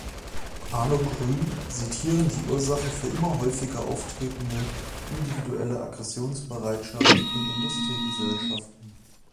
Arno Gruen sieht hierin die Ursache für immer häufiger auftretende individuelle Aggressionbereitschaft in Industriegesellschaften.